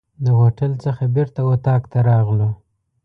د هوټل څخه بیرته اطاق ته راغلو.